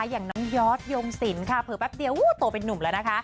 อย่างน้องยอดยงสินค่ะเผลอแป๊บเดียวโตเป็นนุ่มแล้วนะคะ